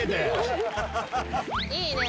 いいね。